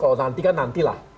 kalau nanti kan nanti lah